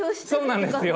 そうなんですよ。